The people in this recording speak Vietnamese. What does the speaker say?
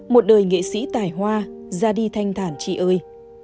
một đời nghệ sĩ tài hoa ra đi thanh thàn chị ơi